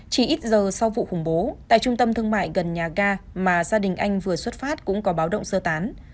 chỉ ít giờ sau vụ khủng bố tại trung tâm thương mại gần nhà ga mà gia đình anh vừa xuất phát cũng có báo động sơ tán